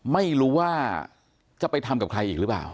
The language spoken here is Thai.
ไม่รู้ว่าจะไปทำกับใครอีกหรือเปล่า